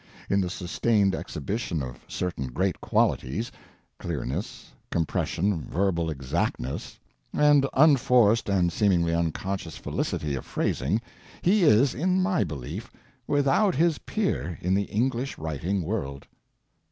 In the sustained exhibition of certain great qualities—clearness, compression, verbal exactness, and unforced and seemingly unconscious felicity of phrasing—he is, in my belief, without his peer in the English writing world.